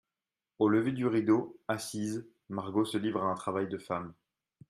Au lever du rideau, assise, Margot se livre à un travail de femme.